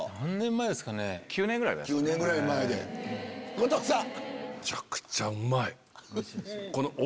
後藤さん。